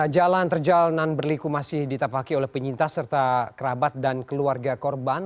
jalan terjalanan berliku masih ditapaki oleh penyintas serta kerabat dan keluarga korban